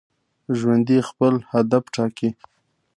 ژوندي خپل هدف ټاکي